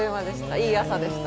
いい朝でした。